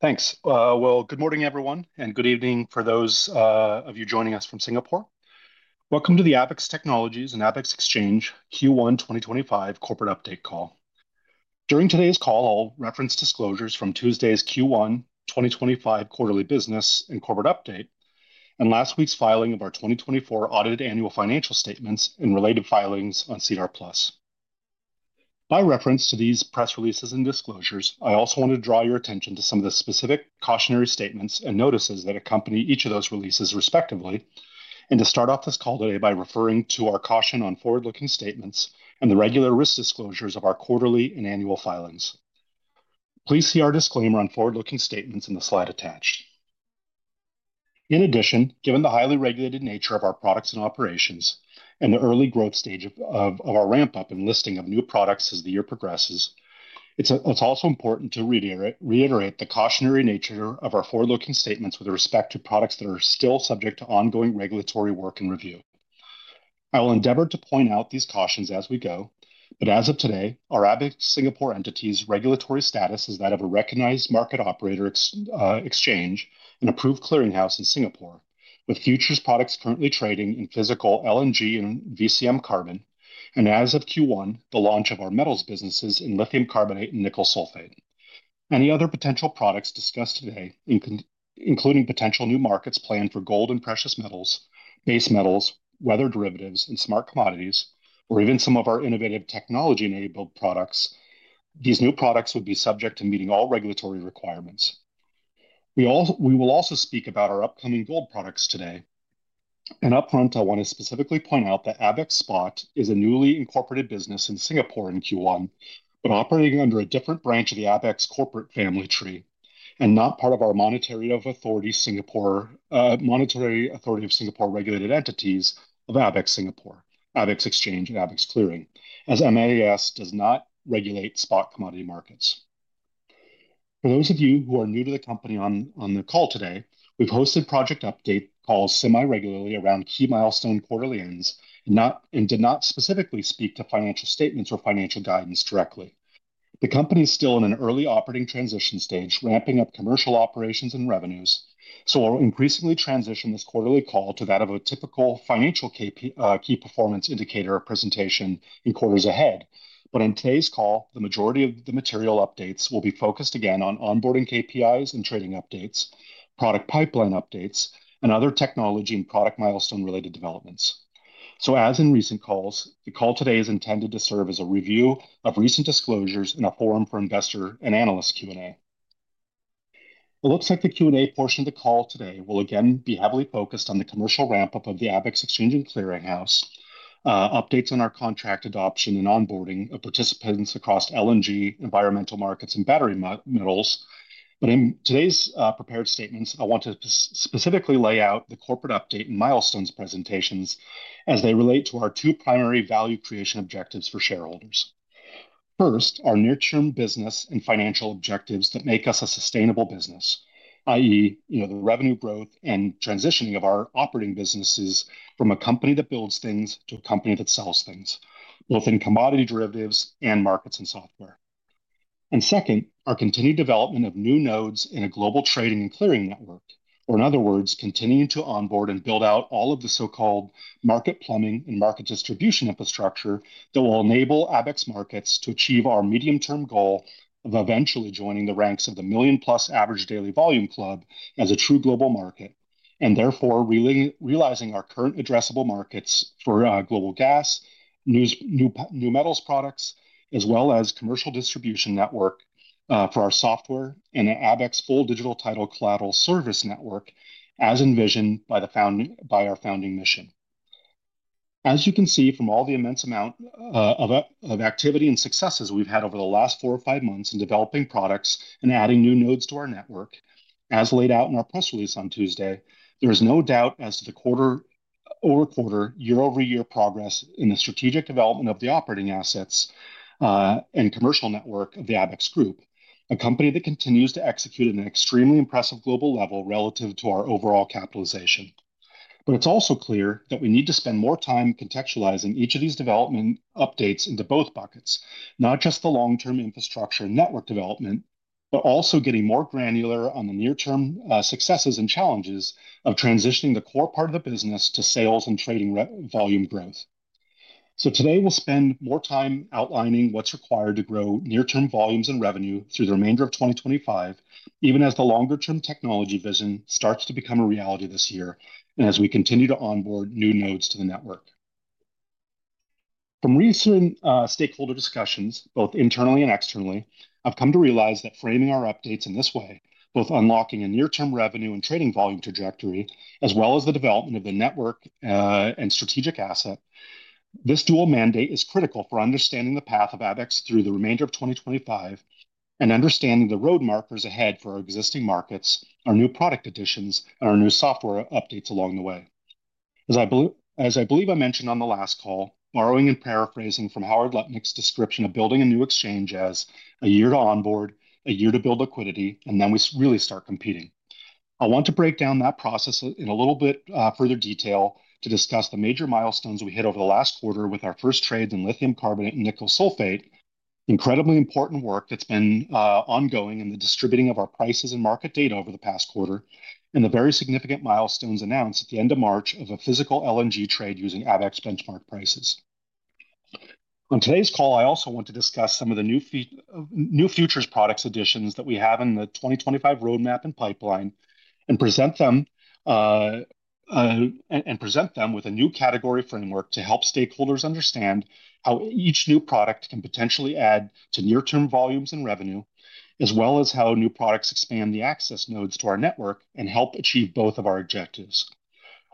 Thanks. Good morning, everyone, and good evening for those of you joining us from Singapore. Welcome to the Abaxx Technologies and Abaxx Exchange Q1 2025 Corporate Update call. During today's call, I'll reference disclosures from Tuesday's Q1 2025 Quarterly Business and Corporate Update, and last week's filing of our 2024 Audited Annual Financial Statements and related filings on SEDAR+. By reference to these press releases and disclosures, I also want to draw your attention to some of the specific cautionary statements and notices that accompany each of those releases, respectively, and to start off this call today by referring to our caution on forward-looking statements and the regular risk disclosures of our quarterly and annual filings. Please see our disclaimer on forward-looking statements in the slide attached. In addition, given the highly regulated nature of our products and operations and the early growth stage of our ramp-up and listing of new products as the year progresses, it's also important to reiterate the cautionary nature of our forward-looking statements with respect to products that are still subject to ongoing regulatory work and review. I will endeavor to point out these cautions as we go, but as of today, our Abaxx Singapore entity's regulatory status is that of a Recognized Market Operator exchange and Approved Clearing House in Singapore, with futures products currently trading in physical LNG and VCM carbon, and as of Q1, the launch of our metals businesses in lithium carbonate and nickel sulfate. Any other potential products discussed today, including potential new markets planned for gold and precious metals, base metals, weather derivatives, and smart commodities, or even some of our innovative technology-enabled products, these new products would be subject to meeting all regulatory requirements. We will also speak about our upcoming gold products today. Upfront, I want to specifically point out that Abaxx Spot is a newly incorporated business in Singapore in Q1, but operating under a different branch of the Abaxx corporate family tree and not part of our Monetary Authority of Singapore-regulated entities of Abaxx Singapore, Abaxx Exchange, and Abaxx Clearing, as MAS does not regulate spot commodity markets. For those of you who are new to the company on the call today, we've hosted project update calls semi-regularly around key milestone quarterly ends and did not specifically speak to financial statements or financial guidance directly. The company is still in an early operating transition stage, ramping up commercial operations and revenues, so we'll increasingly transition this quarterly call to that of a typical financial key performance indicator presentation in quarters ahead. In today's call, the majority of the material updates will be focused again on onboarding KPIs and trading updates, product pipeline updates, and other technology and product milestone-related developments. As in recent calls, the call today is intended to serve as a review of recent disclosures and a forum for investor and analyst Q&A. It looks like the Q&A portion of the call today will again be heavily focused on the commercial ramp-up of the Abaxx Exchange and Clearinghouse, updates on our contract adoption and onboarding of participants across LNG, environmental markets, and battery metals. In today's prepared statements, I want to specifically lay out the corporate update and milestones presentations as they relate to our two primary value creation objectives for shareholders. First, our near-term business and financial objectives that make us a sustainable business, i.e., the revenue growth and transitioning of our operating businesses from a company that builds things to a company that sells things, both in commodity derivatives and markets and software. Our continued development of new nodes in a global trading and clearing network, or in other words, continuing to onboard and build out all of the so-called market plumbing and market distribution infrastructure that will enable Abaxx markets to achieve our medium-term goal of eventually joining the ranks of the million-plus average daily volume club as a true global market, and therefore realizing our current addressable markets for global gas, new metals products, as well as commercial distribution network for our software and Abaxx Digital Title collateral service network, as envisioned by our founding mission. As you can see from all the immense amount of activity and successes we've had over the last four or five months in developing products and adding new nodes to our network, as laid out in our press release on Tuesday, there is no doubt as to the quarter-over-quarter, year-over-year progress in the strategic development of the operating assets and commercial network of the Abaxx Group, a company that continues to execute at an extremely impressive global level relative to our overall capitalization. It is also clear that we need to spend more time contextualizing each of these development updates into both buckets, not just the long-term infrastructure and network development, but also getting more granular on the near-term successes and challenges of transitioning the core part of the business to sales and trading volume growth. Today, we'll spend more time outlining what's required to grow near-term volumes and revenue through the remainder of 2025, even as the longer-term technology vision starts to become a reality this year and as we continue to onboard new nodes to the network. From recent stakeholder discussions, both internally and externally, I've come to realize that framing our updates in this way, both unlocking a near-term revenue and trading volume trajectory, as well as the development of the network and strategic asset, this dual mandate is critical for understanding the path of Abaxx through the remainder of 2025 and understanding the road markers ahead for our existing markets, our new product additions, and our new software updates along the way. As I believe I mentioned on the last call, borrowing and paraphrasing from Howard Lutnick's description of building a new exchange as a year to onboard, a year to build liquidity, and then we really start competing. I want to break down that process in a little bit further detail to discuss the major milestones we hit over the last quarter with our first trades in lithium carbonate and nickel sulfate, incredibly important work that's been ongoing in the distributing of our prices and market data over the past quarter, and the very significant milestones announced at the end of March of a physical LNG trade using Abaxx benchmark prices. On today's call, I also want to discuss some of the new futures products additions that we have in the 2025 roadmap and pipeline and present them with a new category framework to help stakeholders understand how each new product can potentially add to near-term volumes and revenue, as well as how new products expand the access nodes to our network and help achieve both of our objectives.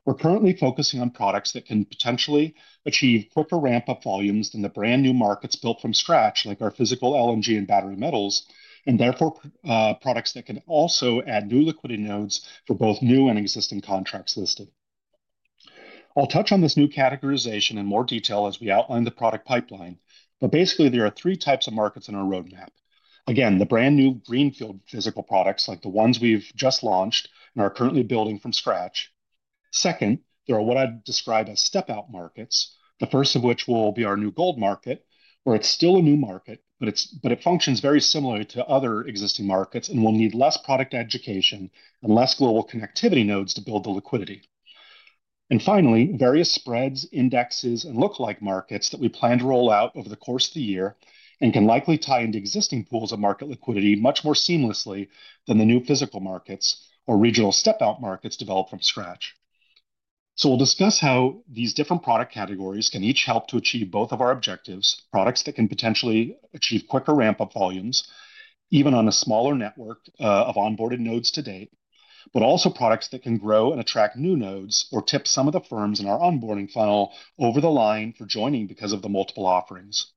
We're currently focusing on products that can potentially achieve quicker ramp-up volumes than the brand new markets built from scratch, like our physical LNG and battery metals, and therefore products that can also add new liquidity nodes for both new and existing contracts listed. I'll touch on this new categorization in more detail as we outline the product pipeline, but basically, there are three types of markets in our roadmap. Again, the brand new greenfield physical products, like the ones we've just launched and are currently building from scratch. Second, there are what I'd describe as step-out markets, the first of which will be our new gold market, where it's still a new market, but it functions very similarly to other existing markets and will need less product education and less global connectivity nodes to build the liquidity. Finally, various spreads, indexes, and lookalike markets that we plan to roll out over the course of the year and can likely tie into existing pools of market liquidity much more seamlessly than the new physical markets or regional step-out markets developed from scratch. We will discuss how these different product categories can each help to achieve both of our objectives: products that can potentially achieve quicker ramp-up volumes, even on a smaller network of onboarded nodes to date, but also products that can grow and attract new nodes or tip some of the firms in our onboarding funnel over the line for joining because of the multiple offerings.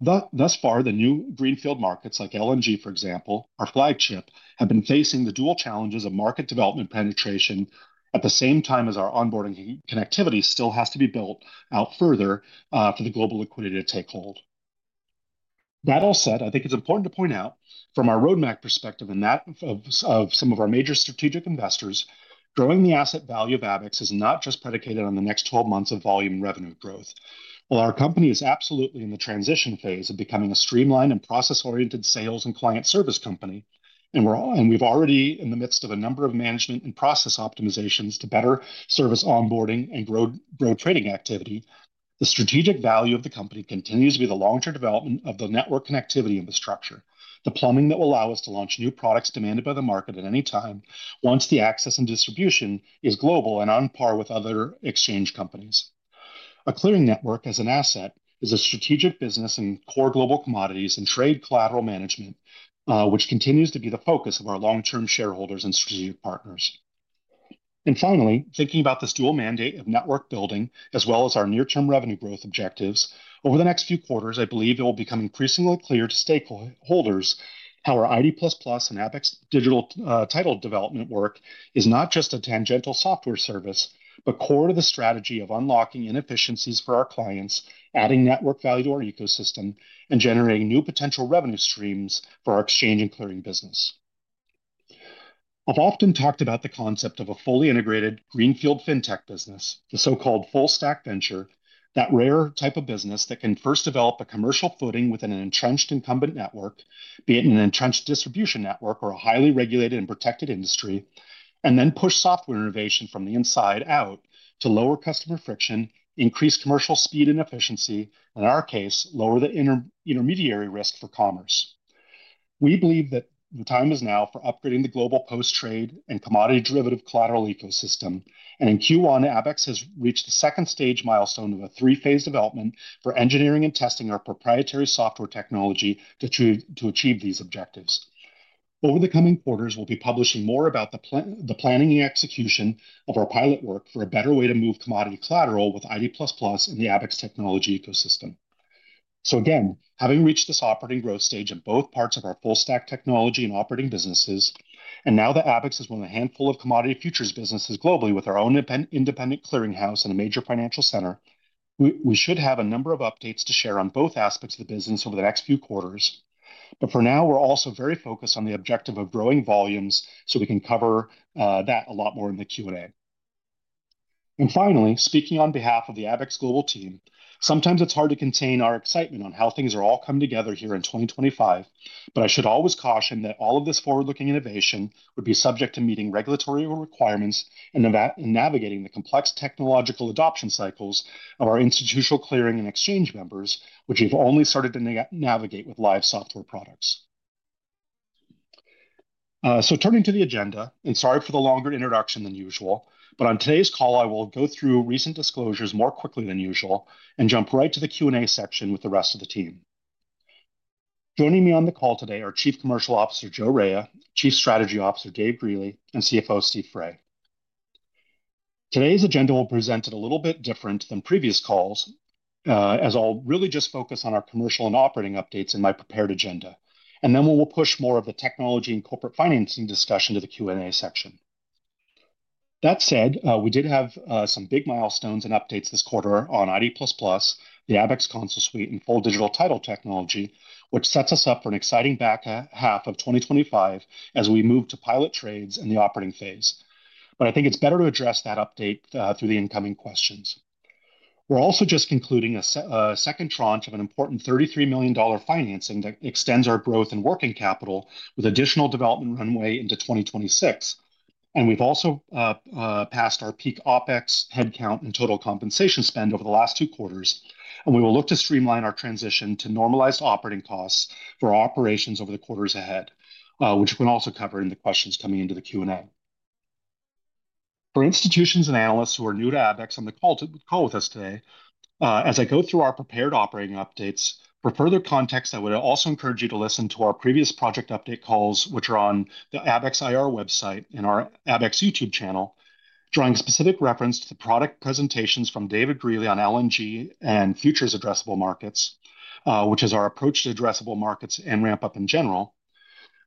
Thus far, the new greenfield markets, like LNG, for example, our flagship, have been facing the dual challenges of market development penetration at the same time as our onboarding connectivity still has to be built out further for the global liquidity to take hold. That all said, I think it's important to point out, from our roadmap perspective and that of some of our major strategic investors, growing the asset value of Abaxx is not just predicated on the next 12 months of volume revenue growth. While our company is absolutely in the transition phase of becoming a streamlined and process-oriented sales and client service company, and we're already in the midst of a number of management and process optimizations to better service onboarding and grow trading activity, the strategic value of the company continues to be the long-term development of the network connectivity infrastructure, the plumbing that will allow us to launch new products demanded by the market at any time once the access and distribution is global and on par with other exchange companies. A clearing network, as an asset, is a strategic business in core global commodities and trade collateral management, which continues to be the focus of our long-term shareholders and strategic partners. Finally, thinking about this dual mandate of network building as well as our near-term revenue growth objectives, over the next few quarters, I believe it will become increasingly clear to stakeholders how our ID++ and Abaxx Digital Title development work is not just a tangential software service, but core to the strategy of unlocking inefficiencies for our clients, adding network value to our ecosystem, and generating new potential revenue streams for our Exchange and Clearing business. I've often talked about the concept of a fully integrated greenfield fintech business, the so-called full-stack venture, that rare type of business that can first develop a commercial footing within an entrenched incumbent network, be it an entrenched distribution network or a highly regulated and protected industry, and then push software innovation from the inside out to lower customer friction, increase commercial speed and efficiency, and in our case, lower the intermediary risk for commerce. We believe that the time is now for upgrading the global post-trade and commodity derivative collateral ecosystem, and in Q1, Abaxx has reached the second stage milestone of a three-phase development for engineering and testing our proprietary software technology to achieve these objectives. Over the coming quarters, we'll be publishing more about the planning and execution of our pilot work for a better way to move commodity collateral with ID++ in the Abaxx technology ecosystem. Again, having reached this operating growth stage in both parts of our full-stack technology and operating businesses, and now that Abaxx is one of a handful of commodity futures businesses globally with our own independent clearinghouse and a major financial center, we should have a number of updates to share on both aspects of the business over the next few quarters. For now, we're also very focused on the objective of growing volumes, so we can cover that a lot more in the Q&A. Finally, speaking on behalf of the Abaxx global team, sometimes it's hard to contain our excitement on how things are all coming together here in 2025, but I should always caution that all of this forward-looking innovation would be subject to meeting regulatory requirements and navigating the complex technological adoption cycles of our institutional Clearing and Exchange members, which we've only started to navigate with live software products. Turning to the agenda, and sorry for the longer introduction than usual, on today's call, I will go through recent disclosures more quickly than usual and jump right to the Q&A section with the rest of the team. Joining me on the call today are Chief Commercial Officer Joe Raia, Chief Strategy Officer Dave Greely, and CFO Steve Fray. Today's agenda will be presented a little bit different than previous calls, as I'll really just focus on our commercial and operating updates in my prepared agenda, and then we'll push more of the technology and corporate financing discussion to the Q&A section. That said, we did have some big milestones and updates this quarter on ID++, the Abaxx Console Suite, and Digital Title technology, which sets us up for an exciting back half of 2025 as we move to pilot trades in the operating phase. I think it's better to address that update through the incoming questions. We're also just concluding a second tranche of an important $33 million financing that extends our growth and working capital with additional development runway into 2026. We have also passed our peak OpEx headcount and total compensation spend over the last two quarters, and we will look to streamline our transition to normalized operating costs for our operations over the quarters ahead, which we will also cover in the questions coming into the Q&A. For institutions and analysts who are new to Abaxx on the call with us today, as I go through our prepared operating updates, for further context, I would also encourage you to listen to our previous project update calls, which are on the Abaxx IR website and our Abaxx YouTube channel, drawing specific reference to the product presentations from David Greely on LNG and futures addressable markets, which is our approach to addressable markets and ramp-up in general,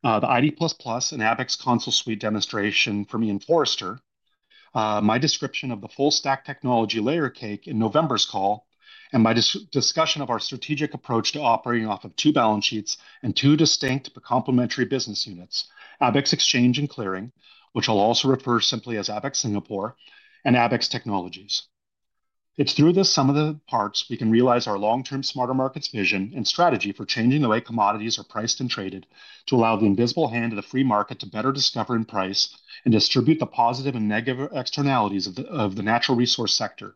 the ID++ and Abaxx Console Suite demonstration from Ian Forester, my description of the full-stack technology layer cake in November's call, and my discussion of our strategic approach to operating off of two balance sheets and two distinct but complementary business units, Abaxx Exchange and Clearing, which I'll also refer simply as Abaxx Singapore, and Abaxx Technologies. It's through this sum of the parts we can realize our long-term SmarterMarkets vision and strategy for changing the way commodities are priced and traded to allow the invisible hand of the free market to better discover and price and distribute the positive and negative externalities of the natural resource sector,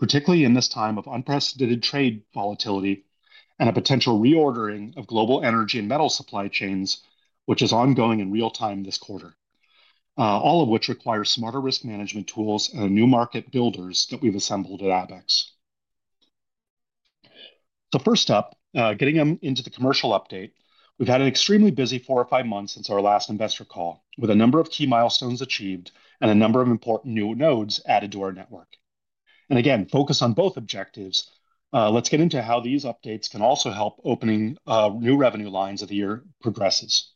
particularly in this time of unprecedented trade volatility and a potential reordering of global energy and metal supply chains, which is ongoing in real time this quarter, all of which require smarter risk management tools and new market builders that we've assembled at Abaxx. First up, getting into the commercial update, we've had an extremely busy four or five months since our last investor call, with a number of key milestones achieved and a number of important new nodes added to our network. Again, focus on both objectives, let's get into how these updates can also help opening new revenue lines as the year progresses.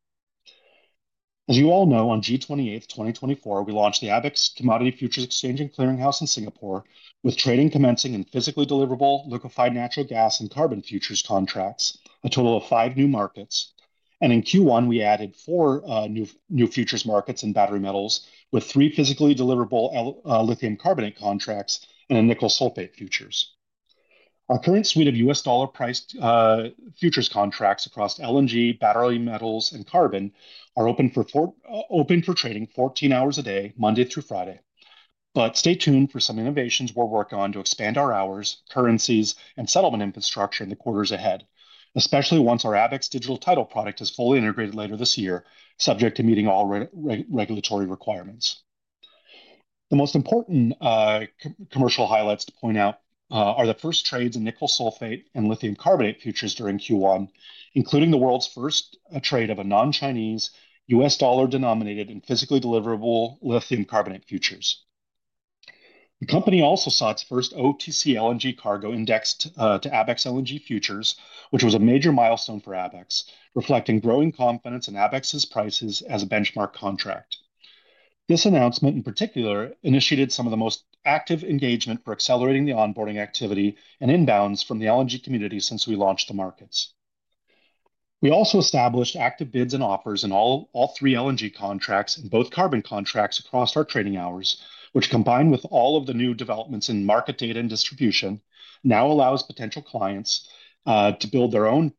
As you all know, on June 28th, 2024, we launched the Abaxx Commodity Futures Exchange and Clearinghouse in Singapore, with trading commencing in physically deliverable liquefied natural gas and carbon futures contracts, a total of five new markets. In Q1, we added four new futures markets in battery metals, with three physically deliverable lithium carbonate contracts and nickel sulfate futures. Our current suite of US dollar priced futures contracts across LNG, battery metals, and carbon are open for trading 14 hours a day, Monday through Friday. Stay tuned for some innovations we're working on to expand our hours, currencies, and settlement infrastructure in the quarters ahead, especially once our Abaxx Digital Title product is fully integrated later this year, subject to meeting all regulatory requirements. The most important commercial highlights to point out are the first trades in nickel sulfate and lithium carbonate futures during Q1, including the world's first trade of a non-Chinese, US dollar denominated and physically deliverable lithium carbonate futures. The company also saw its first OTC LNG cargo indexed to Abaxx LNG futures, which was a major milestone for Abaxx, reflecting growing confidence in Abaxx's prices as a benchmark contract. This announcement, in particular, initiated some of the most active engagement for accelerating the onboarding activity and inbounds from the LNG community since we launched the markets. We also established active bids and offers in all three LNG contracts and both carbon contracts across our trading hours, which, combined with all of the new developments in market data and distribution, now allows potential clients to build their own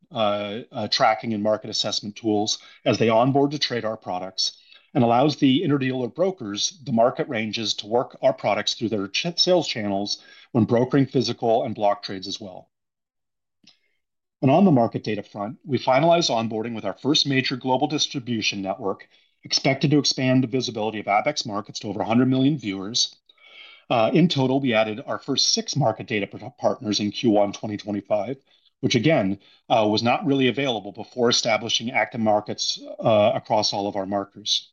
tracking and market assessment tools as they onboard to trade our products and allows the interdealer brokers, the market arrangers, to work our products through their sales channels when brokering physical and block trades as well. On the market data front, we finalized onboarding with our first major global distribution network, expected to expand the visibility of Abaxx markets to over 100 million viewers. In total, we added our first six market data partners in Q1 2025, which, again, was not really available before establishing active markets across all of our marketers.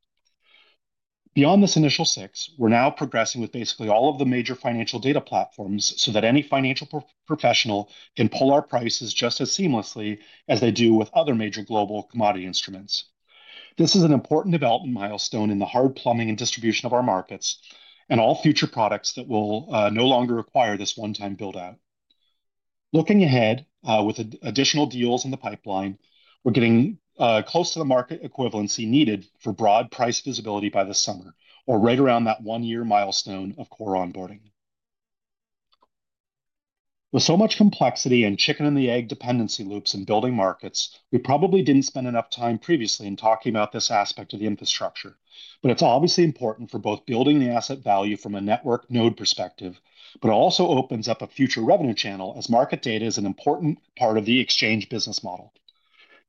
Beyond this initial six, we're now progressing with basically all of the major financial data platforms so that any financial professional can pull our prices just as seamlessly as they do with other major global commodity instruments. This is an important development milestone in the hard plumbing and distribution of our markets and all future products that will no longer require this one-time build-out. Looking ahead with additional deals in the pipeline, we're getting close to the market equivalency needed for broad price visibility by the summer, or right around that one-year milestone of core onboarding. With so much complexity and chicken-and-the-egg dependency loops in building markets, we probably didn't spend enough time previously in talking about this aspect of the infrastructure. It is obviously important for both building the asset value from a network node perspective, but it also opens up a future revenue channel as market data is an important part of the Exchange business model.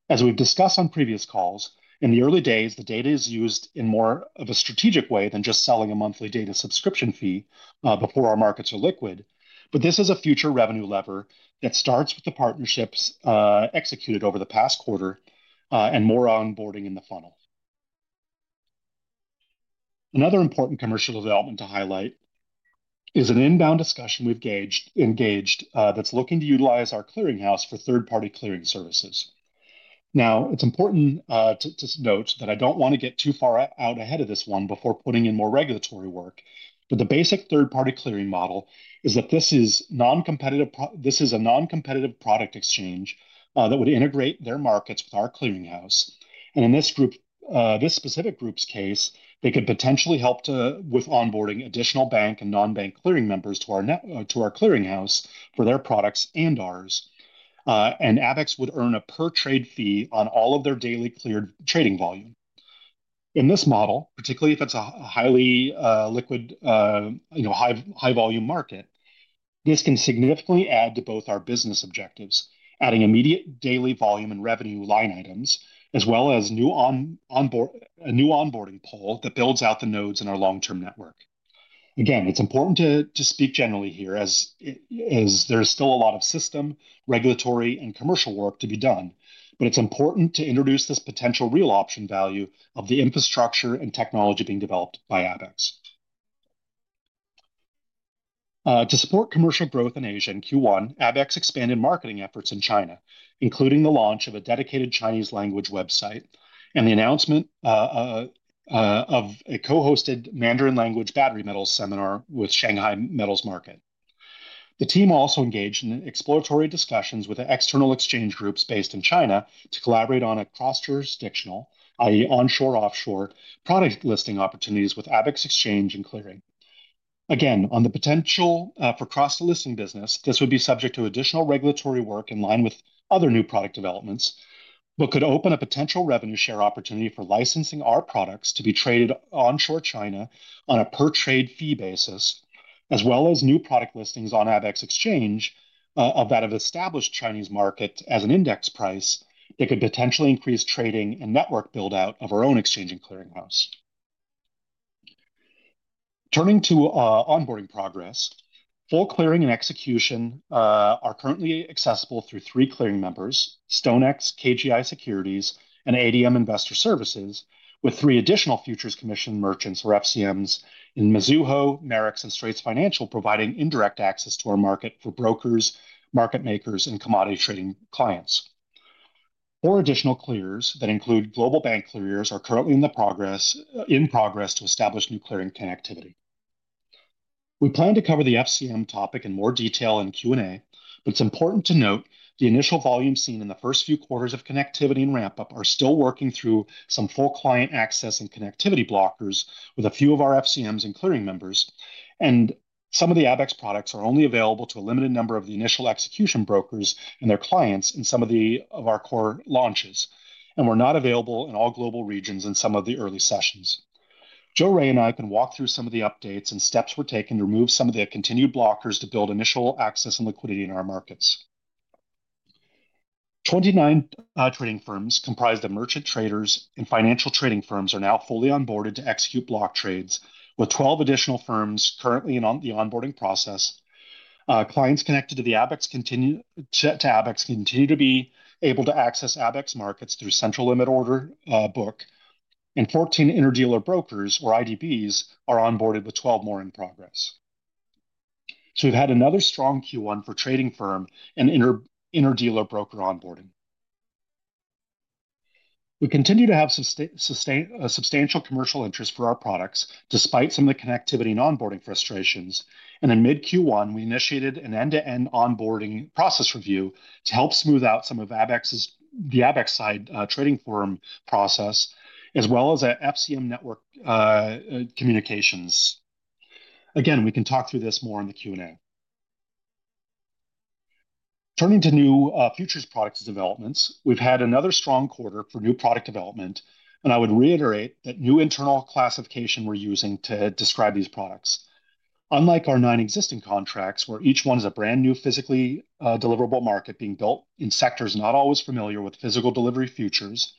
As we have discussed on previous calls, in the early days, the data is used in more of a strategic way than just selling a monthly data subscription fee before our markets are liquid, but this is a future revenue lever that starts with the partnerships executed over the past quarter and more onboarding in the funnel. Another important commercial development to highlight is an inbound discussion we have engaged that is looking to utilize our clearinghouse for third-party clearing services. Now, it's important to note that I don't want to get too far out ahead of this one before putting in more regulatory work, but the basic third-party clearing model is that this is a non-competitive product exchange that would integrate their markets with our clearinghouse. In this specific group's case, they could potentially help with onboarding additional bank and non-bank clearing members to our clearinghouse for their products and ours. Abaxx would earn a per-trade fee on all of their daily cleared trading volume. In this model, particularly if it's a highly liquid, high-volume market, this can significantly add to both our business objectives, adding immediate daily volume and revenue line items, as well as a new onboarding poll that builds out the nodes in our long-term network. Again, it's important to speak generally here as there's still a lot of system, regulatory, and commercial work to be done, but it's important to introduce this potential real option value of the infrastructure and technology being developed by Abaxx. To support commercial growth in Asia, in Q1, Abaxx expanded marketing efforts in China, including the launch of a dedicated Chinese-language website and the announcement of a co-hosted Mandarin-language battery metals seminar with Shanghai Metals Market. The team also engaged in exploratory discussions with external exchange groups based in China to collaborate on a cross-jurisdictional, i.e., onshore/offshore product listing opportunities with Abaxx Exchange and Clearing. Again, on the potential for cross-listing business, this would be subject to additional regulatory work in line with other new product developments, but could open a potential revenue share opportunity for licensing our products to be traded onshore China on a per-trade fee basis, as well as new product listings on Abaxx Exchange of that of established Chinese market as an index price that could potentially increase trading and network build-out of our own Exchange and Clearinghouse. Turning to onboarding progress, full-clearing execution are currently accessible through three clearing members, StoneX, KGI Securities, and ADM Investor Services, with three additional futures commission merchants or FCMs in Mizuho, Marex, and Straits Financial providing indirect access to our market for brokers, market makers, and commodity trading clients. Four additional clearers that include global bank clearers are currently in the progress to establish new clearing connectivity. We plan to cover the FCM topic in more detail in Q&A, but it's important to note the initial volume seen in the first few quarters of connectivity and ramp-up are still working through some full client access and connectivity blockers with a few of our FCMs and clearing members. Some of the Abaxx products are only available to a limited number of the initial execution brokers and their clients in some of our core launches, and were not available in all global regions in some of the early sessions. Joe Raia and I can walk through some of the updates and steps we're taking to remove some of the continued blockers to build initial access and liquidity in our markets. 29 trading firms comprised of merchant traders and financial trading firms are now fully onboarded to execute block trades, with 12 additional firms currently in the onboarding process. Clients connected to Abaxx continue to be able to access Abaxx markets through Central Limit Order Book, and 14 interdealer brokers or IDBs are onboarded with 12 more in progress. We have had another strong Q1 for trading firm and interdealer broker onboarding. We continue to have substantial commercial interest for our products despite some of the connectivity and onboarding frustrations. In mid-Q1, we initiated an end-to-end onboarding process review to help smooth out some of the Abaxx-side trading forum process, as well as FCM network communications. We can talk through this more in the Q&A. Turning to new futures products developments, we have had another strong quarter for new product development, and I would reiterate that new internal classification we are using to describe these products. Unlike our nine existing contracts, where each one is a brand new physically deliverable market being built in sectors not always familiar with physical delivery futures,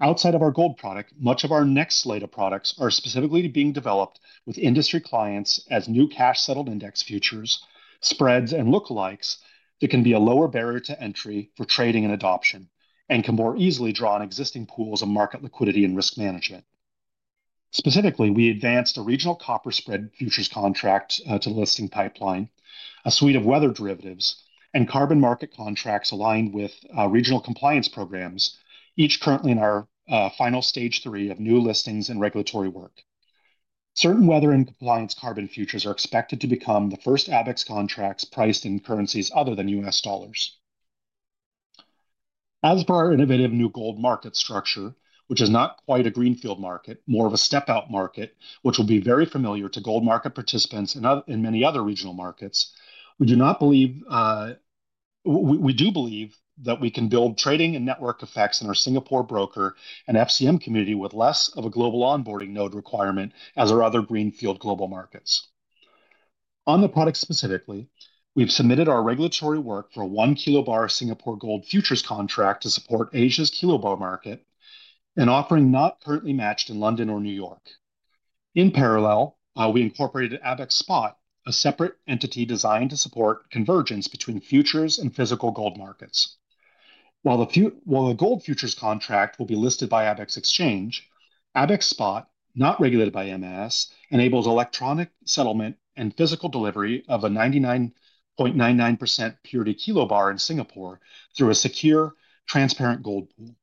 outside of our gold product, much of our next slate of products are specifically being developed with industry clients as new cash-settled index futures, spreads, and lookalikes that can be a lower barrier to entry for trading and adoption and can more easily draw on existing pools of market liquidity and risk management. Specifically, we advanced a regional copper spread futures contract to the listing pipeline, a suite of weather derivatives, and carbon market contracts aligned with regional compliance programs, each currently in our final stage three of new listings and regulatory work. Certain weather and compliance carbon futures are expected to become the first Abaxx contracts priced in currencies other than US dollars. As per our innovative new gold market structure, which is not quite a greenfield market, more of a step-out market, which will be very familiar to gold market participants and many other regional markets, we do not believe that we can build trading and network effects in our Singapore broker and FCM community with less of a global onboarding node requirement as our other greenfield global markets. On the product specifically, we've submitted our regulatory work for a one kilo bar of Singapore Gold futures contract to support Asia's kilo bar market, an offering not currently matched in London or New York. In parallel, we incorporated Abaxx Spot, a separate entity designed to support convergence between futures and physical gold markets. While the Gold futures contract will be listed by Abaxx Exchange, Abaxx Spot, not regulated by MAS, enables electronic settlement and physical delivery of a 99.99% purity kilo bar in Singapore through a secure, transparent gold pool.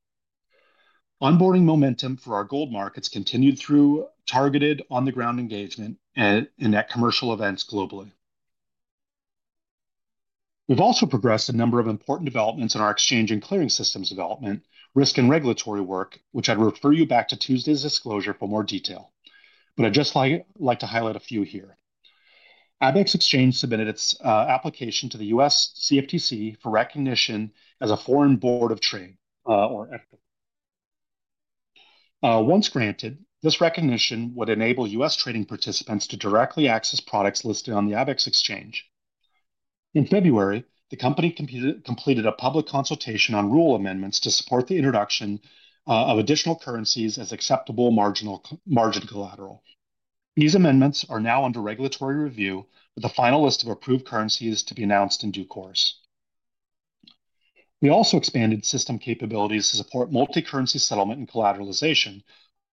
Onboarding momentum for our gold markets continued through targeted on-the-ground engagement and at commercial events globally. We've also progressed a number of important developments in our Exchange and Clearing systems development, risk, and regulatory work, which I'd refer you back to Tuesday's disclosure for more detail. I'd just like to highlight a few here. Abaxx Exchange submitted its application to the U.S. CFTC for recognition as a Foreign Board of Trade or FBOT. Once granted, this recognition would enable U.S. trading participants to directly access products listed on the Abaxx Exchange. In February, the company completed a public consultation on rule amendments to support the introduction of additional currencies as acceptable margin collateral. These amendments are now under regulatory review, with the final list of approved currencies to be announced in due course. We also expanded system capabilities to support multi-currency settlement and collateralization,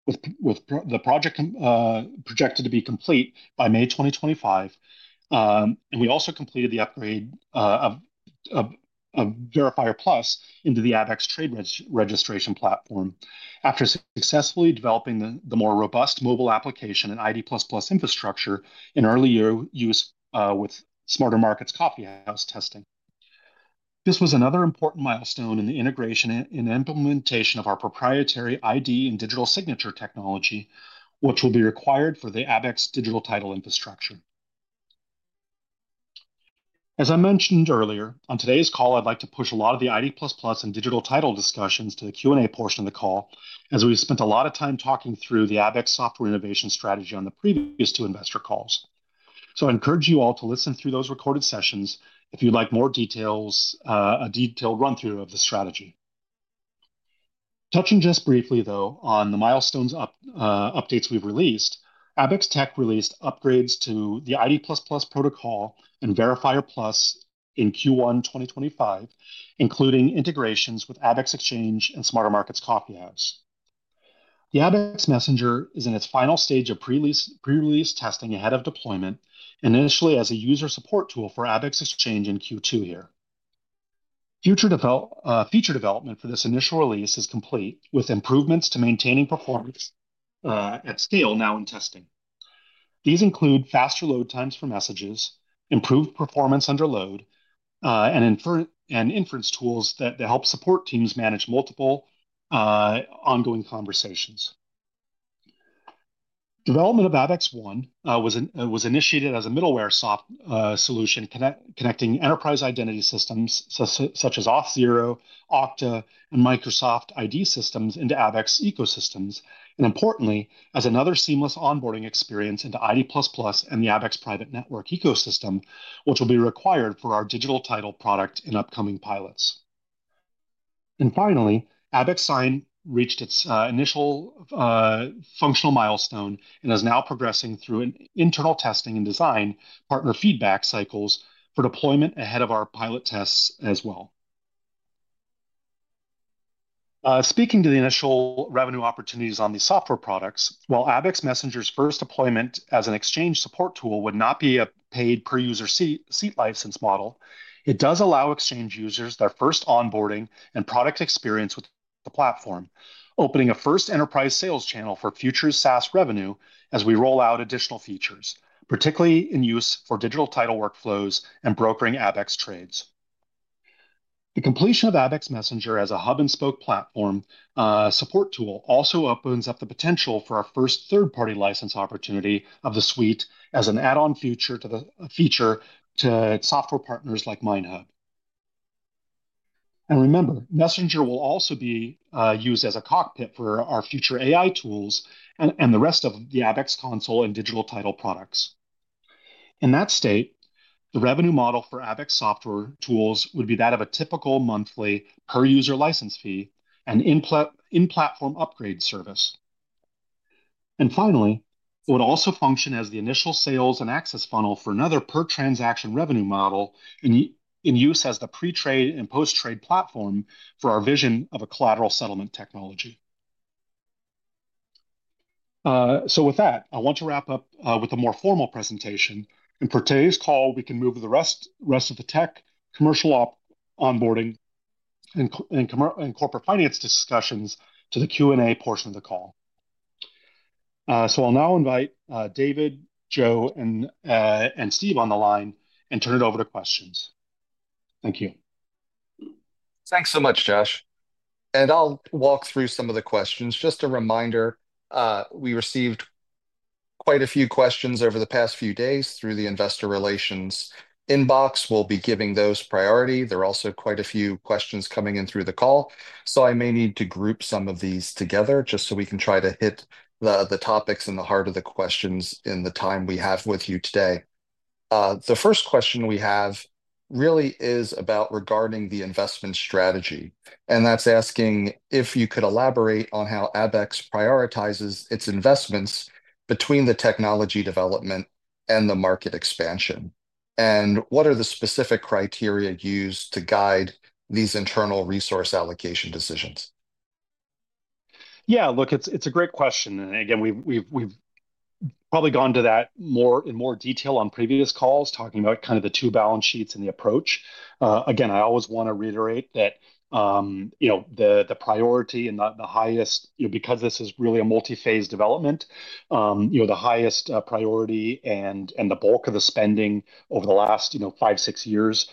with the project projected to be complete by May 2025. We also completed the upgrade of Verifier+ into the Abaxx Trade Registration Platform after successfully developing the more robust mobile application and ID++ infrastructure in early use with SmarterMarkets Coffeehouse testing. This was another important milestone in the integration and implementation of our proprietary ID and digital signature technology, which will be required for the Abaxx Digital Title infrastructure. As I mentioned earlier, on today's call, I'd like to push a lot of the ID++ and Digital Title discussions to the Q&A portion of the call, as we've spent a lot of time talking through the Abaxx software innovation strategy on the previous two investor calls. I encourage you all to listen through those recorded sessions if you'd like more details, a detailed run-through of the strategy. Touching just briefly, though, on the milestones updates we've released, Abaxx Tech released upgrades to the ID++ protocol and Verifier+ in Q1 2025, including integrations with Abaxx Exchange and SmarterMarkets Coffeehouse. The Abaxx Messenger is in its final stage of pre-release testing ahead of deployment, initially as a user support tool for Abaxx Exchange in Q2 here. Future development for this initial release is complete with improvements to maintaining performance at scale now in testing. These include faster load times for messages, improved performance under load, and inference tools that help support teams manage multiple ongoing conversations. Development of Abaxx One was initiated as a middleware soft solution connecting enterprise identity systems such as Auth0, Okta, and Microsoft ID systems into Abaxx ecosystems, and importantly, as another seamless onboarding experience into ID++ and the Abaxx private network ecosystem, which will be required for our Digital Title product and upcoming pilots. Finally, Abaxx Sign reached its initial functional milestone and is now progressing through internal testing and design partner feedback cycles for deployment ahead of our pilot tests as well. Speaking to the initial revenue opportunities on the software products, while Abaxx Messenger's first deployment as an exchange support tool would not be a paid per-user seat license model, it does allow exchange users their first onboarding and product experience with the platform, opening a first enterprise sales channel for future SaaS revenue as we roll out additional features, particularly in use for Digital Title workflows and brokering Abaxx trades. The completion of Abaxx Messenger as a hub-and-spoke platform support tool also opens up the potential for our first third-party license opportunity of the suite as an add-on feature to software partners like MineHub. Remember, Messenger will also be used as a cockpit for our future AI tools and the rest of the Abaxx Console and Digital Title products. In that state, the revenue model for Abaxx software tools would be that of a typical monthly per-user license fee and in-platform upgrade service. It would also function as the initial sales and access funnel for another per-transaction revenue model in use as the pre-trade and post-trade platform for our vision of a collateral settlement technology. With that, I want to wrap up with a more formal presentation. For today's call, we can move the rest of the tech, commercial onboarding, and corporate finance discussions to the Q&A portion of the call. I'll now invite David, Joe, and Steve on the line and turn it over to questions. Thank you. Thanks so much, Josh. I'll walk through some of the questions. Just a reminder, we received quite a few questions over the past few days through the investor relations inbox. We'll be giving those priority. There are also quite a few questions coming in through the call, so I may need to group some of these together just so we can try to hit the topics and the heart of the questions in the time we have with you today. The first question we have really is about regarding the investment strategy, and that's asking if you could elaborate on how Abaxx prioritizes its investments between the technology development and the market expansion, and what are the specific criteria used to guide these internal resource allocation decisions. Yeah, look, it's a great question. Again, we've probably gone to that in more detail on previous calls, talking about kind of the two balance sheets and the approach. Again, I always want to reiterate that the priority and the highest, because this is really a multi-phase development, the highest priority and the bulk of the spending over the last five-six years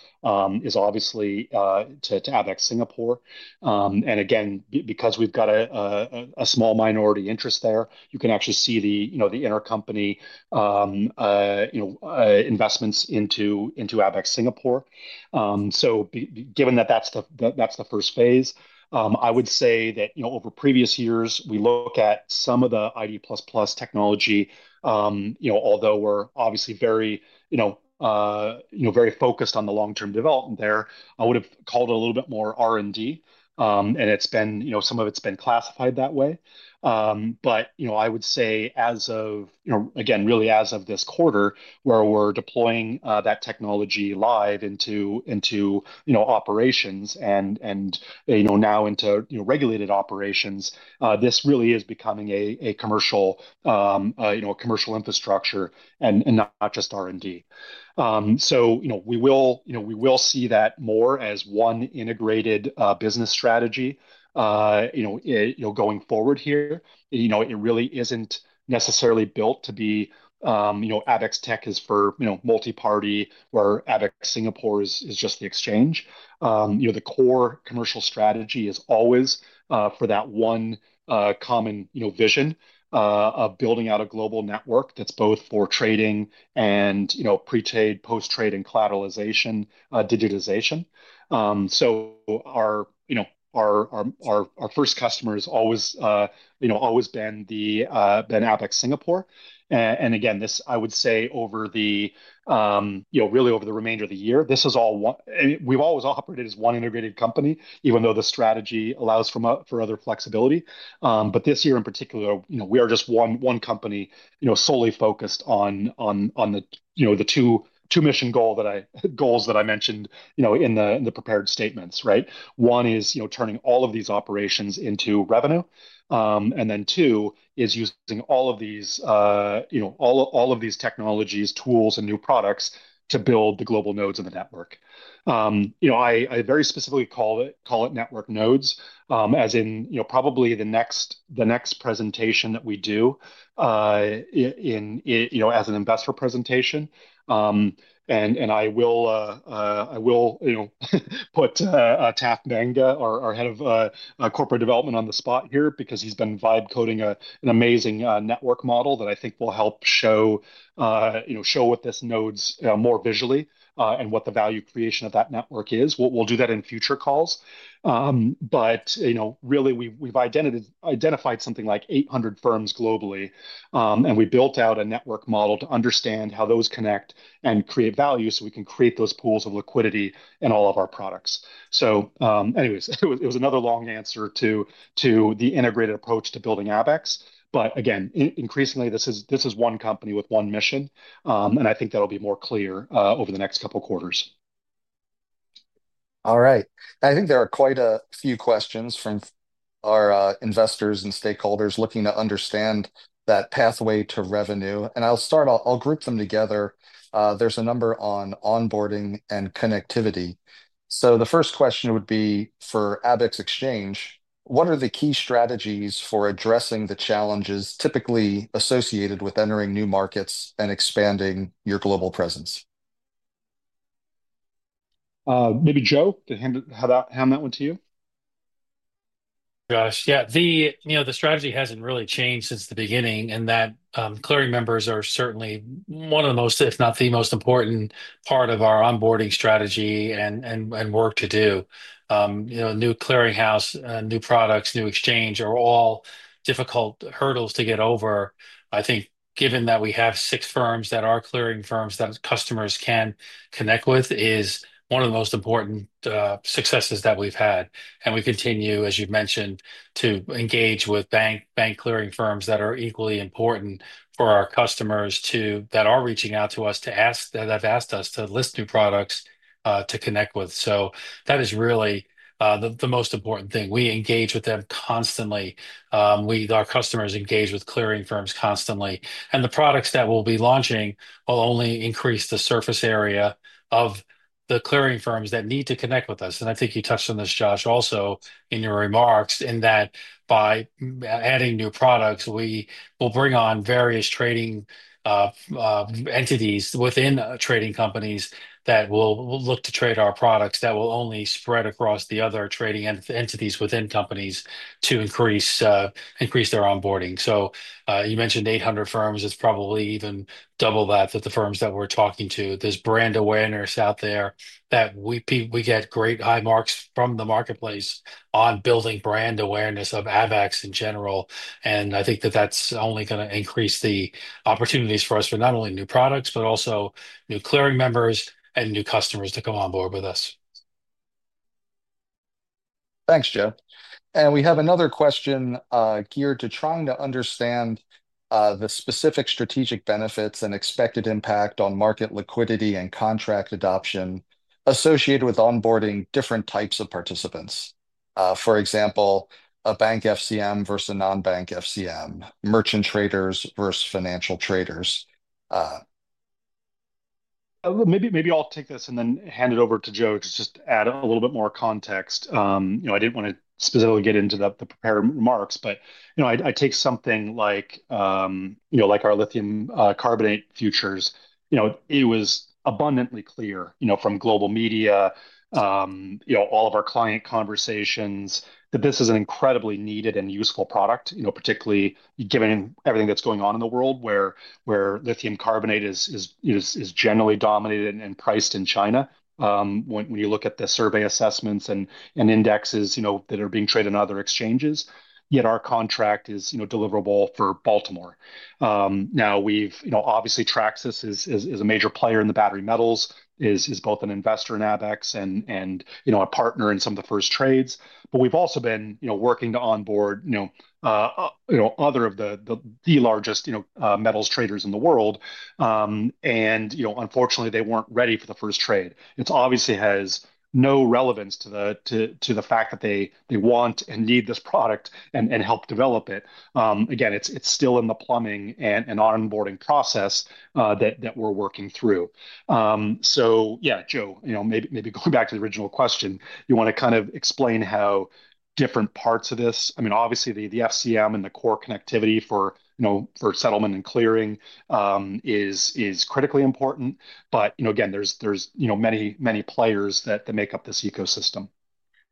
is obviously to Abaxx Singapore. Again, because we've got a small minority interest there, you can actually see the intercompany investments into Abaxx Singapore. Given that that's the first phase, I would say that over previous years, we look at some of the ID++ technology, although we're obviously very focused on the long-term development there. I would have called it a little bit more R&D, and some of it's been classified that way. I would say, again, really as of this quarter, where we're deploying that technology live into operations and now into regulated operations, this really is becoming a commercial infrastructure and not just R&D. We will see that more as one integrated business strategy going forward here. It really isn't necessarily built to be Abaxx Tech is for multi-party where Abaxx Singapore is just the Exchange. The core commercial strategy is always for that one common vision of building out a global network that's both for trading and pre-trade, post-trade, and collateralization digitization. Our first customer has always been Abaxx Singapore. Again, I would say, over the remainder of the year, this is all we've always operated as one integrated company, even though the strategy allows for other flexibility. This year, in particular, we are just one company solely focused on the two mission goals that I mentioned in the prepared statements, right? One is turning all of these operations into revenue, and then two is using all of these technologies, tools, and new products to build the global nodes of the network. I very specifically call it network nodes, as in probably the next presentation that we do as an investor presentation. I will put Taf Mbanga, our Head of Corporate Development, on the spot here because he's been vibe coding an amazing network model that I think will help show what this nodes more visually and what the value creation of that network is. We will do that in future calls. Really, we've identified something like 800 firms globally, and we built out a network model to understand how those connect and create value so we can create those pools of liquidity in all of our products. It was another long answer to the integrated approach to building Abaxx. Again, increasingly, this is one company with one mission, and I think that'll be more clear over the next couple of quarters. All right. I think there are quite a few questions from our investors and stakeholders looking to understand that pathway to revenue. I'll start, I'll group them together. There's a number on onboarding and connectivity. The first question would be for Abaxx Exchange, what are the key strategies for addressing the challenges typically associated with entering new markets and expanding your global presence? Maybe Joe, to hand that one to you? Josh, yeah. The strategy hasn't really changed since the beginning, and that clearing members are certainly one of the most, if not the most important part of our onboarding strategy and work to do. New clearinghouse, new products, new exchange are all difficult hurdles to get over. I think given that we have six firms that are clearing firms that customers can connect with is one of the most important successes that we've had. We continue, as you've mentioned, to engage with bank clearing firms that are equally important for our customers that are reaching out to us to ask that have asked us to list new products to connect with. That is really the most important thing. We engage with them constantly. Our customers engage with clearing firms constantly. The products that we'll be launching will only increase the surface area of the clearing firms that need to connect with us. I think you touched on this, Josh, also in your remarks in that by adding new products, we will bring on various trading entities within trading companies that will look to trade our products that will only spread across the other trading entities within companies to increase their onboarding. You mentioned 800 firms. It's probably even double that of the firms that we're talking to. There's brand awareness out there that we get great high marks from the marketplace on building brand awareness of Abaxx in general. I think that that's only going to increase the opportunities for us for not only new products, but also new clearing members and new customers to come on board with us. Thanks, Joe. We have another question geared to trying to understand the specific strategic benefits and expected impact on market liquidity and contract adoption associated with onboarding different types of participants. For example, a bank FCM versus a non-bank FCM, merchant traders versus financial traders. Maybe I'll take this and then hand it over to Joe to just add a little bit more context. I did not want to specifically get into the prepared remarks, but I take something like our lithium carbonate futures. It was abundantly clear from global media, all of our client conversations, that this is an incredibly needed and useful product, particularly given everything that is going on in the world where lithium carbonate is generally dominated and priced in China. When you look at the survey assessments and indexes that are being traded in other exchanges, yet our contract is deliverable for Baltimore. Now, obviously, Traxys is a major player in the battery metals, is both an investor in Abaxx and a partner in some of the first trades. We have also been working to onboard other of the largest metals traders in the world. Unfortunately, they were not ready for the first trade. It obviously has no relevance to the fact that they want and need this product and helped develop it. Again, it is still in the plumbing and onboarding process that we are working through. Yeah, Joe, maybe going back to the original question, you want to kind of explain how different parts of this, I mean, obviously, the FCM and the core connectivity for settlement and clearing is critically important. Again, there are many players that make up this ecosystem.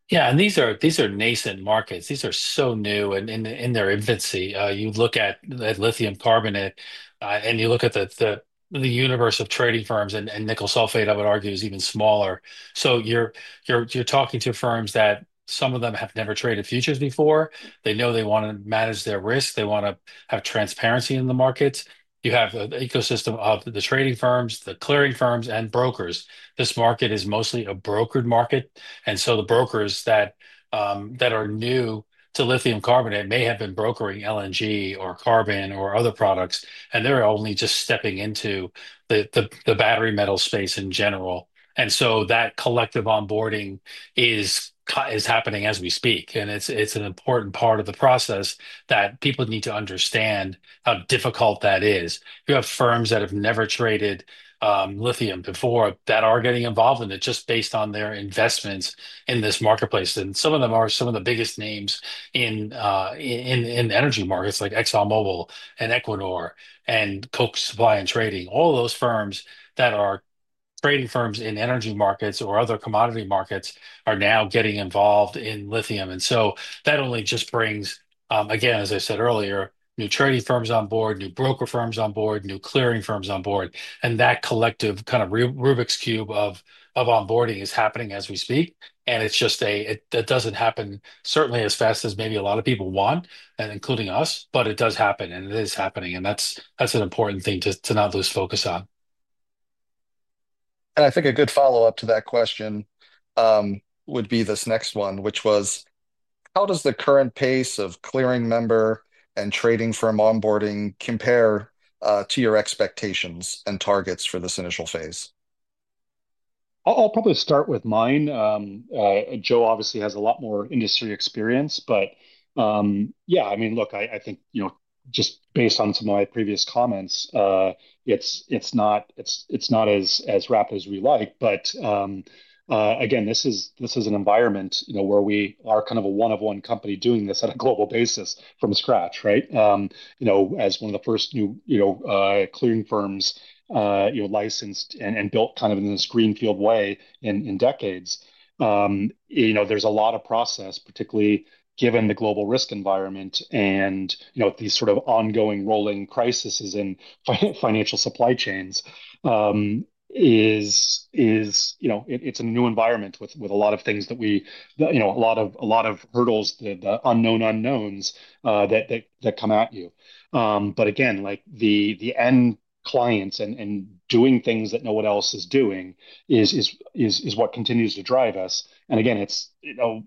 Yeah, and these are nascent markets. These are so new in their infancy. You look at lithium carbonate, and you look at the universe of trading firms, and nickel sulfate, I would argue, is even smaller. You are talking to firms that some of them have never traded futures before. They know they want to manage their risk. They want to have transparency in the markets. You have an ecosystem of the trading firms, the clearing firms, and brokers. This market is mostly a brokered market. The brokers that are new to lithium carbonate may have been brokering LNG or carbon or other products, and they are only just stepping into the battery metal space in general. That collective onboarding is happening as we speak. It is an important part of the process that people need to understand how difficult that is. You have firms that have never traded lithium before that are getting involved in it just based on their investments in this marketplace. Some of them are some of the biggest names in energy markets like ExxonMobil, and Equinor, and Koch Supply and Trading. All of those firms that are trading firms in energy markets or other commodity markets are now getting involved in lithium. That only just brings, again, as I said earlier, new trading firms on board, new broker firms on board, new clearing firms on board. That collective kind of Rubik's Cube of onboarding is happening as we speak. It does not happen certainly as fast as maybe a lot of people want, including us, but it does happen, and it is happening. That is an important thing to not lose focus on. I think a good follow-up to that question would be this next one, which was, how does the current pace of clearing member and trading firm onboarding compare to your expectations and targets for this initial phase? I'll probably start with mine. Joe obviously has a lot more industry experience. Yeah, I mean, look, I think just based on some of my previous comments, it's not as rapid as we like. Again, this is an environment where we are kind of a one-of-one company doing this on a global basis from scratch, right? As one of the first new clearing firms licensed and built kind of in this greenfield way in decades, there's a lot of process, particularly given the global risk environment and these sort of ongoing rolling crises in financial supply chains. It's a new environment with a lot of things that we, a lot of hurdles, the unknown unknowns that come at you. Again, the end clients and doing things that no one else is doing is what continues to drive us. Again,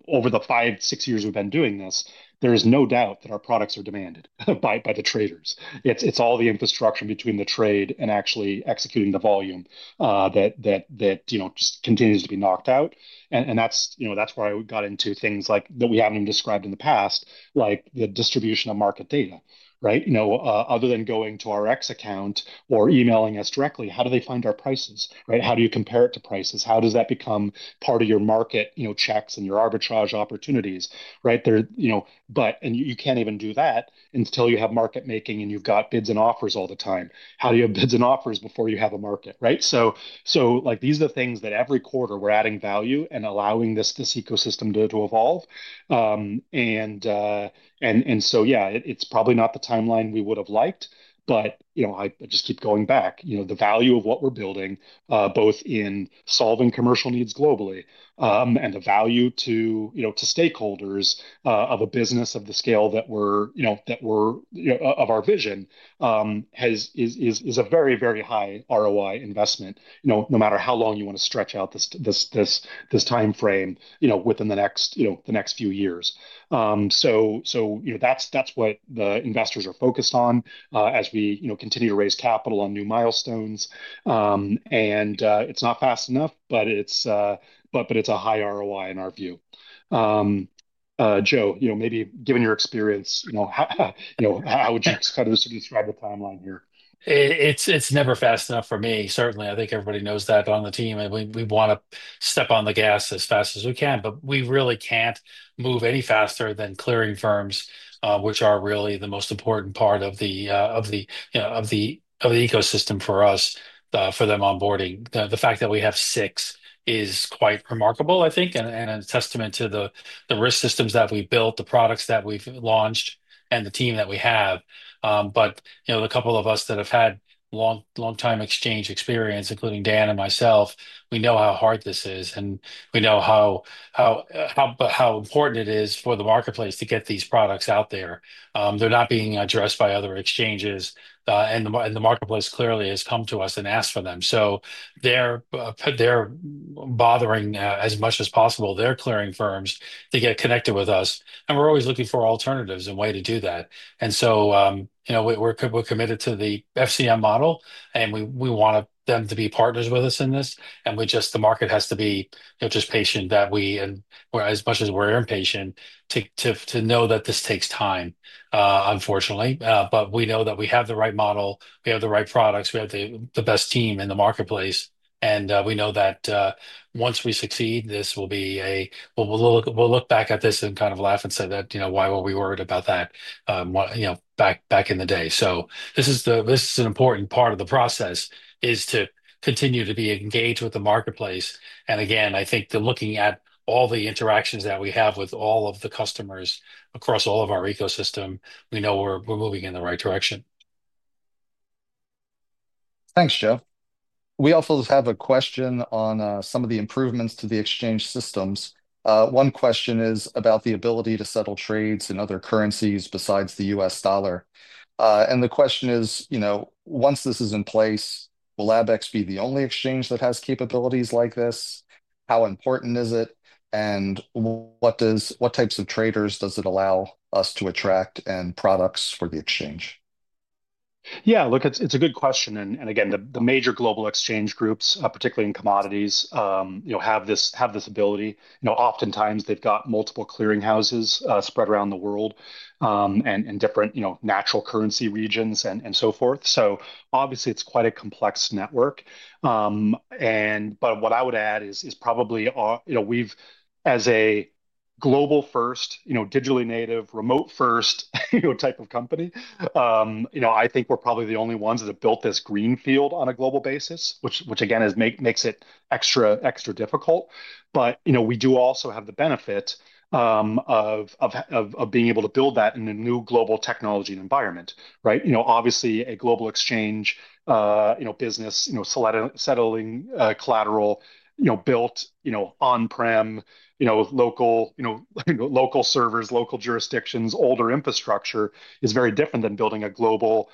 over the five-six years we've been doing this, there is no doubt that our products are demanded by the traders. It's all the infrastructure between the trade and actually executing the volume that just continues to be knocked out. That is why we got into things that we haven't described in the past, like the distribution of market data, right? Other than going to our X account or emailing us directly, how do they find our prices, right? How do you compare it to prices? How does that become part of your market checks and your arbitrage opportunities, right? You can't even do that until you have market making and you've got bids and offers all the time. How do you have bids and offers before you have a market, right? These are the things that every quarter we're adding value and allowing this ecosystem to evolve. Yeah, it's probably not the timeline we would have liked, but I just keep going back. The value of what we're building, both in solving commercial needs globally and the value to stakeholders of a business of the scale of our vision, is a very, very high ROI investment, no matter how long you want to stretch out this timeframe within the next few years. That's what the investors are focused on as we continue to raise capital on new milestones. It's not fast enough, but it's a high ROI in our view. Joe, maybe given your experience, how would you describe the timeline here? It's never fast enough for me. Certainly, I think everybody knows that on the team. We want to step on the gas as fast as we can, but we really can't move any faster than clearing firms, which are really the most important part of the ecosystem for us, for them onboarding. The fact that we have six is quite remarkable, I think, and a testament to the risk systems that we've built, the products that we've launched, and the team that we have. The couple of us that have had long-time exchange experience, including Dan and myself, we know how hard this is, and we know how important it is for the marketplace to get these products out there. They're not being addressed by other exchanges, and the marketplace clearly has come to us and asked for them. They're bothering as much as possible, their clearing firms, to get connected with us. We're always looking for alternatives and ways to do that. We're committed to the FCM model, and we want them to be partners with us in this. The market has to be just patient that we, and as much as we're impatient, to know that this takes time, unfortunately. We know that we have the right model. We have the right products. We have the best team in the marketplace. We know that once we succeed, this will be a we'll look back at this and kind of laugh and say that, "Why were we worried about that back in the day?" This is an important part of the process, to continue to be engaged with the marketplace. Again, I think looking at all the interactions that we have with all of the customers across all of our ecosystem, we know we're moving in the right direction. Thanks, Joe. We also have a question on some of the improvements to the exchange systems. One question is about the ability to settle trades in other currencies besides the US dollar. The question is, once this is in place, will Abaxx be the only exchange that has capabilities like this? How important is it? What types of traders does it allow us to attract and products for the exchange? Yeah, look, it's a good question. Again, the major global exchange groups, particularly in commodities, have this ability. Oftentimes, they've got multiple clearinghouses spread around the world and different natural currency regions and so forth. Obviously, it's quite a complex network. What I would add is probably we've, as a global-first, digitally native, remote-first type of company, I think we're probably the only ones that have built this greenfield on a global basis, which again makes it extra difficult. We do also have the benefit of being able to build that in a new global technology environment, right? Obviously, a global exchange business, settling collateral, built on-prem, local servers, local jurisdictions, older infrastructure is very different than building a global.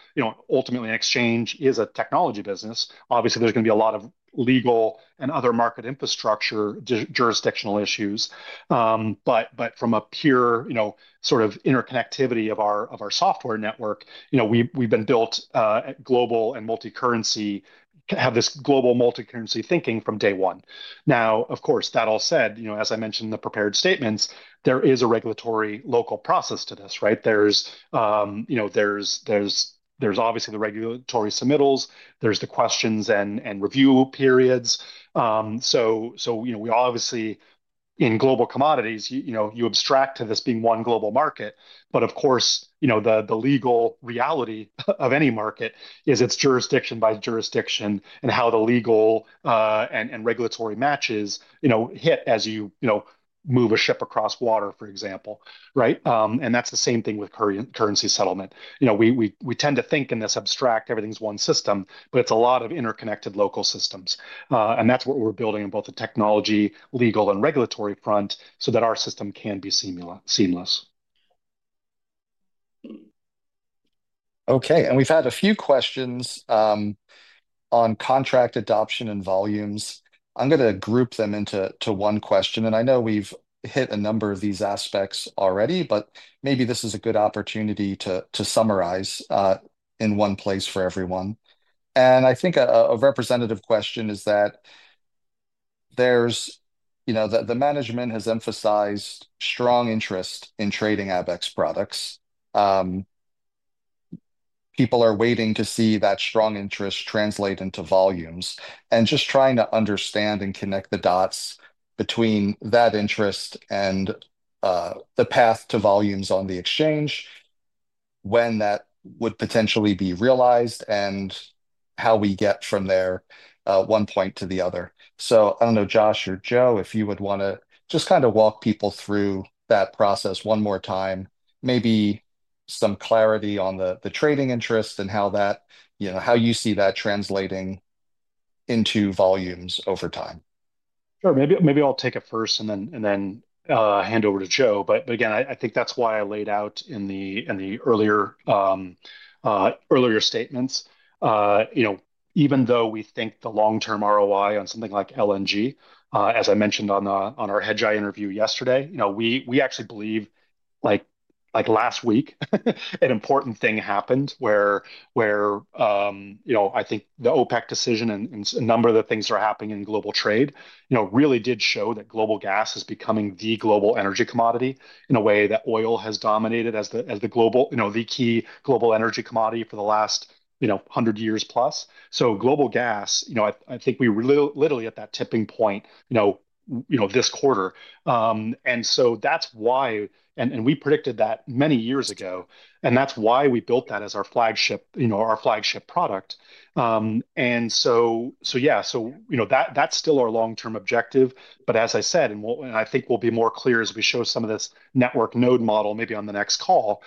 Ultimately, an exchange is a technology business. Obviously, there's going to be a lot of legal and other market infrastructure jurisdictional issues. From a pure sort of interconnectivity of our software network, we've been built global and have this global multicurrency thinking from day one. Now, of course, that all said, as I mentioned in the prepared statements, there is a regulatory local process to this, right? There's obviously the regulatory submittals. There's the questions and review periods. In global commodities, you abstract to this being one global market. Of course, the legal reality of any market is its jurisdiction by jurisdiction and how the legal and regulatory matches hit as you move a ship across water, for example, right? That's the same thing with currency settlement. We tend to think in this abstract, everything's one system, but it's a lot of interconnected local systems. That is what we are building on both the technology, legal, and regulatory front so that our system can be seamless. We have had a few questions on contract adoption and volumes. I am going to group them into one question. I know we have hit a number of these aspects already, but maybe this is a good opportunity to summarize in one place for everyone. I think a representative question is that the management has emphasized strong interest in trading Abaxx products. People are waiting to see that strong interest translate into volumes. Just trying to understand and connect the dots between that interest and the path to volumes on the exchange, when that would potentially be realized and how we get from one point to the other. I don't know, Josh or Joe, if you would want to just kind of walk people through that process one more time, maybe some clarity on the trading interest and how you see that translating into volumes over time. Sure. Maybe I'll take it first and then hand over to Joe. Again, I think that's why I laid out in the earlier statements, even though we think the long-term ROI on something like LNG, as I mentioned on our Hedgeye interview yesterday, we actually believe like last week, an important thing happened where I think the OPEC decision and a number of the things that are happening in global trade really did show that global gas is becoming the global energy commodity in a way that oil has dominated as the key global energy commodity for the last 100 years+. Global gas, I think we were literally at that tipping point this quarter. That is why, and we predicted that many years ago, that is why we built that as our flagship product. Yeah, that is still our long-term objective. As I said, and I think it will be more clear as we show some of this network node model maybe on the next call,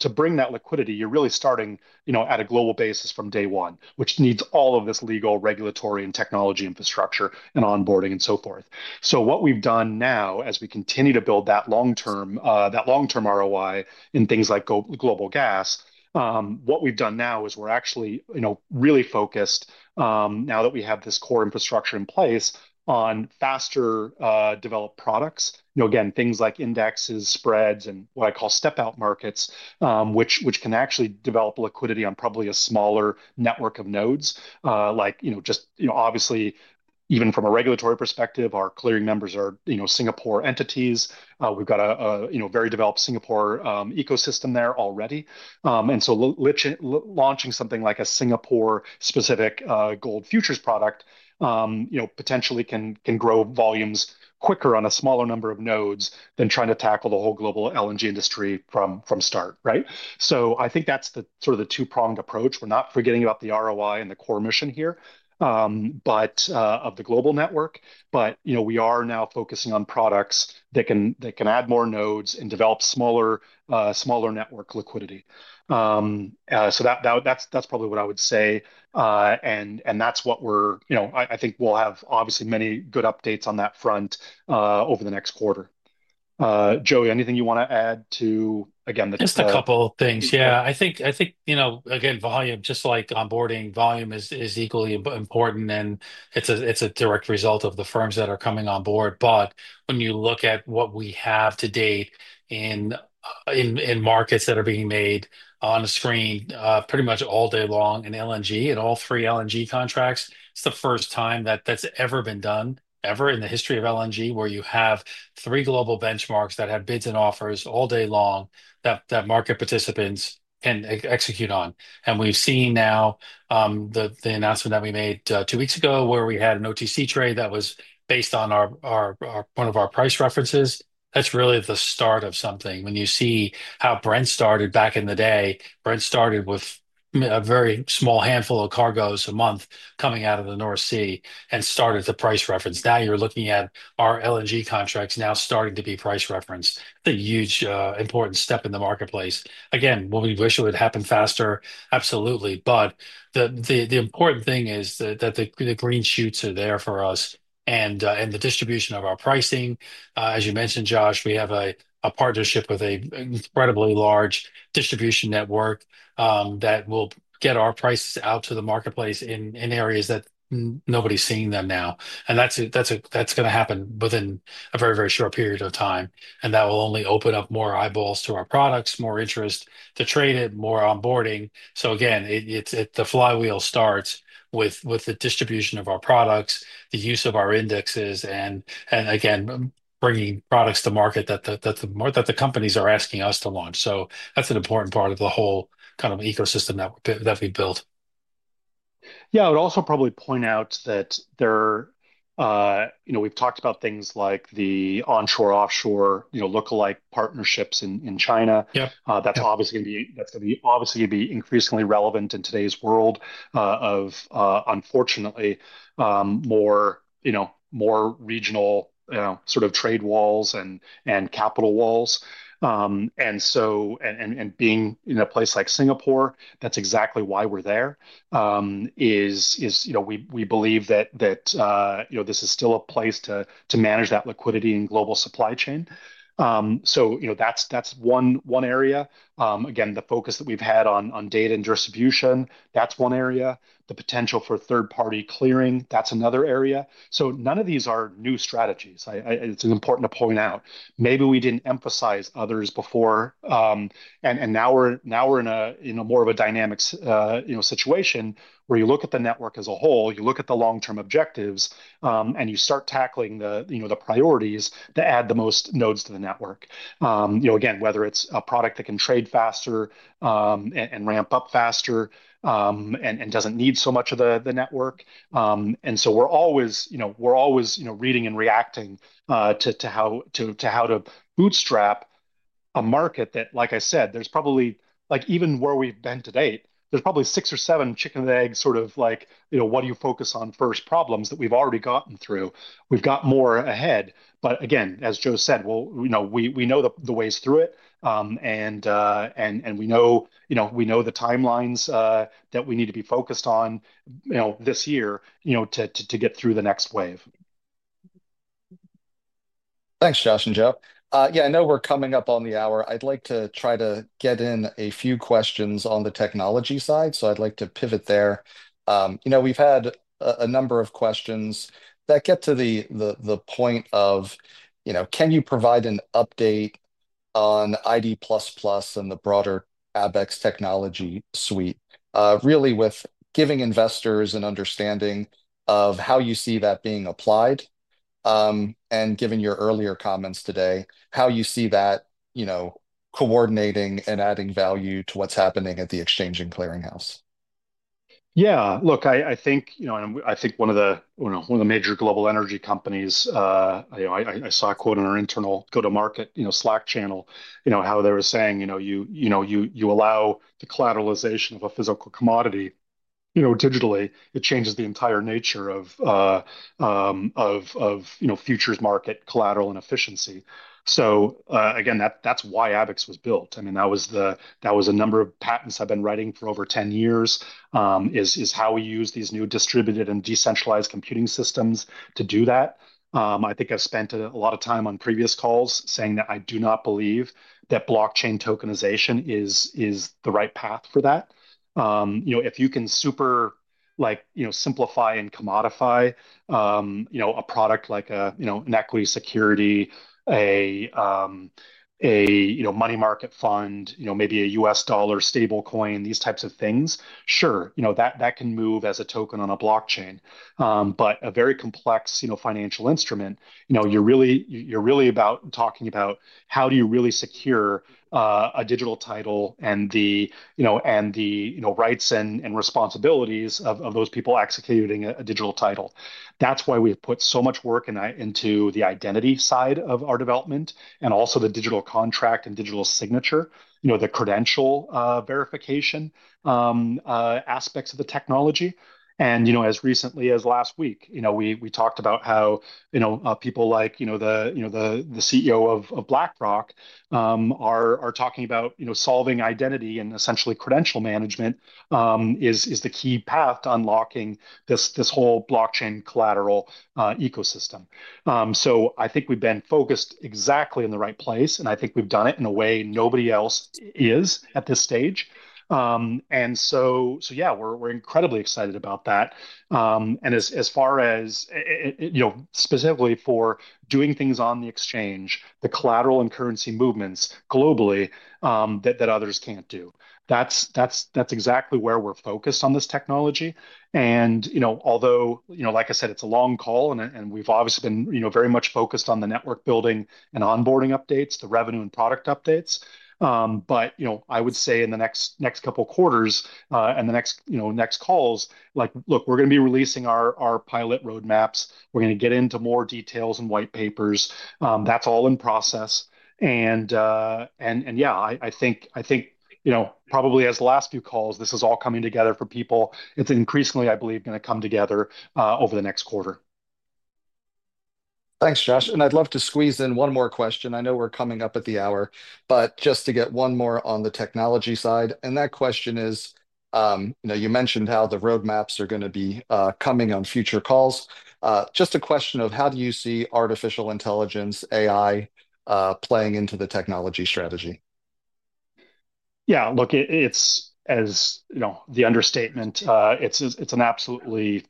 to bring that liquidity, you are really starting at a global basis from day one, which needs all of this legal, regulatory, and technology infrastructure and onboarding and so forth. What we have done now, as we continue to build that long-term ROI in things like global gas, what we have done now is we are actually really focused, now that we have this core infrastructure in place, on faster-developed products. Again, things like indexes, spreads, and what I call step-out markets, which can actually develop liquidity on probably a smaller network of nodes. Just obviously, even from a regulatory perspective, our clearing members are Singapore entities. We've got a very developed Singapore ecosystem there already. Launching something like a Singapore-specific gold futures product potentially can grow volumes quicker on a smaller number of nodes than trying to tackle the whole global LNG industry from start, right? I think that's sort of the two-pronged approach. We're not forgetting about the ROI and the core mission here of the global network, but we are now focusing on products that can add more nodes and develop smaller network liquidity. That's probably what I would say. That's what we're I think we'll have obviously many good updates on that front over the next quarter. Joe, anything you want to add to, again, the discussion? Just a couple of things. Yeah. I think, again, volume, just like onboarding, volume is equally important, and it's a direct result of the firms that are coming on board. When you look at what we have to date in markets that are being made on the screen pretty much all day long in LNG, in all three LNG contracts, it's the first time that that's ever been done, ever in the history of LNG, where you have three global benchmarks that have bids and offers all day long that market participants can execute on. We've seen now the announcement that we made two weeks ago where we had an OTC trade that was based on one of our price references. That's really the start of something. When you see how Brent started back in the day, Brent started with a very small handful of cargoes a month coming out of the North Sea and started to price reference. Now you're looking at our LNG contracts now starting to be price referenced. It's a huge important step in the marketplace. We wish it would happen faster? Absolutely. But the important thing is that the green shoots are there for us and the distribution of our pricing. As you mentioned, Josh, we have a partnership with an incredibly large distribution network that will get our prices out to the marketplace in areas that nobody's seeing them now. That's going to happen within a very, very short period of time. That will only open up more eyeballs to our products, more interest to trade it, more onboarding. Again, the flywheel starts with the distribution of our products, the use of our indexes, and again, bringing products to market that the companies are asking us to launch. That's an important part of the whole kind of ecosystem that we built. Yeah. I would also probably point out that we've talked about things like the onshore, offshore lookalike partnerships in China. That's obviously going to be increasingly relevant in today's world of, unfortunately, more regional sort of trade walls and capital walls. Being in a place like Singapore, that's exactly why we're there. We believe that this is still a place to manage that liquidity in global supply chain. That's one area. Again, the focus that we've had on data and distribution, that's one area. The potential for third-party clearing, that's another area. None of these are new strategies. It's important to point out. Maybe we didn't emphasize others before. Now we're in more of a dynamic situation where you look at the network as a whole, you look at the long-term objectives, and you start tackling the priorities to add the most nodes to the network. Again, whether it's a product that can trade faster and ramp up faster and doesn't need so much of the network. We're always reading and reacting to how to bootstrap a market that, like I said, there's probably even where we've been to date, there's probably six or seven chicken-and-egg sort of like, "What do you focus on first?" problems that we've already gotten through. We've got more ahead. Again, as Joe said, we know the ways through it. We know the timelines that we need to be focused on this year to get through the next wave. Thanks, Josh and Joe. Yeah, I know we're coming up on the hour. I'd like to try to get in a few questions on the technology side. I'd like to pivot there. We've had a number of questions that get to the point of, "Can you provide an update on ID++ and the broader Abaxx technology suite?" Really with giving investors an understanding of how you see that being applied. Given your earlier comments today, how you see that coordinating and adding value to what's happening at the Exchange and Clearinghouse. Yeah. Look, I think one of the major global energy companies, I saw a quote in our internal go-to-market Slack channel, how they were saying, "You allow the collateralization of a physical commodity digitally. It changes the entire nature of futures market collateral and efficiency. Again, that's why Abaxx was built. I mean, that was a number of patents I've been writing for over 10 years is how we use these new distributed and decentralized computing systems to do that. I think I've spent a lot of time on previous calls saying that I do not believe that blockchain tokenization is the right path for that. If you can super simplify and commodify a product like an equity security, a money market fund, maybe a US dollar stablecoin, these types of things, sure, that can move as a token on a blockchain. But a very complex financial instrument, you're really about talking about how do you really secure a digital title and the rights and responsibilities of those people executing a digital title. That's why we've put so much work into the identity side of our development and also the digital contract and digital signature, the credential verification aspects of the technology. As recently as last week, we talked about how people like the CEO of BlackRock are talking about solving identity and essentially credential management is the key path to unlocking this whole blockchain collateral ecosystem. I think we've been focused exactly in the right place. I think we've done it in a way nobody else is at this stage. Yeah, we're incredibly excited about that. As far as specifically for doing things on the exchange, the collateral and currency movements globally that others can't do, that's exactly where we're focused on this technology. Although, like I said, it's a long call, and we've obviously been very much focused on the network building and onboarding updates, the revenue and product updates. I would say in the next couple of quarters and the next calls, like, "Look, we're going to be releasing our pilot roadmaps. We're going to get into more details and white papers." That's all in process. I think probably as the last few calls, this is all coming together for people. It's increasingly, I believe, going to come together over the next quarter. Thanks, Josh. I'd love to squeeze in one more question. I know we're coming up at the hour, but just to get one more on the technology side. That question is, you mentioned how the roadmaps are going to be coming on future calls. Just a question of how do you see artificial intelligence, AI, playing into the technology strategy? Yeah. Look, it's as the understatement. It's an absolutely